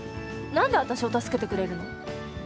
何で私を助けてくれるの？